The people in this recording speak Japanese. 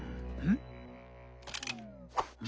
ん。